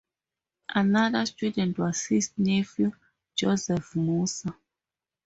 Another student was his nephew Joseph Moser.